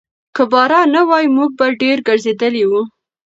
که باران نه وای، موږ به ډېر ګرځېدلي وو.